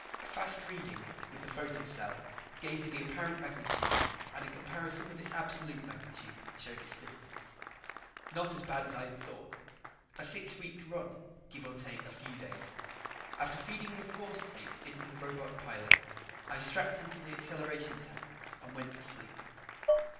A fast reading with the photocell gave me the apparent magnitude and a comparison with its absolute magnitude showed its distance. Not as bad as I had thought a six week run, give or take a few days. After feeding a course tape into the robot pilot, I strapped into the acceleration tank and went to sleep.